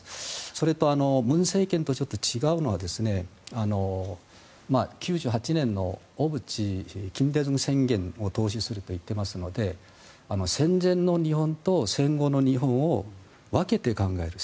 それと文政権とちょっと違うのは９８年の小渕・金大中宣言を踏襲するといっていますので戦前の日本と戦後の日本を分けて考える。